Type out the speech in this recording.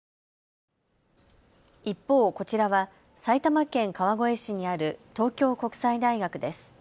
一方、こちらは埼玉県川越市にある東京国際大学です。